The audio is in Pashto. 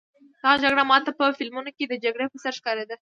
دغه جګړه ما ته په فلمونو کې د جګړې په څېر ښکارېده.